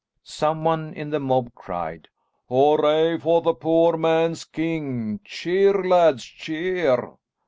Some one in the mob cried, "Hurrah for the poor man's king! Cheer, lads, cheer!"